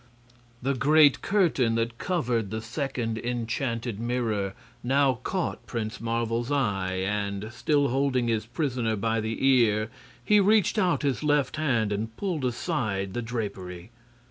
The great curtain that covered the second enchanted mirror now caught Prince Marvel's eye, and, still holding his prisoner by the ear, he reached out his left hand and pulled aside the drapery.